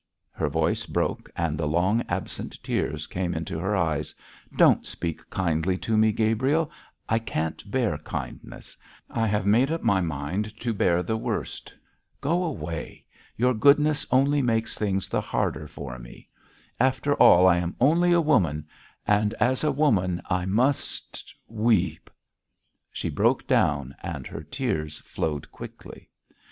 Her voice broke and the long absent tears came into her eyes. 'Don't speak kindly to me, Gabriel; I can't bear kindness. I have made up my mind to bear the worst. Go away; your goodness only makes things the harder for me. After all, I am only a woman, and as a woman I must w e e p.' She broke down, and her tears flowed quickly.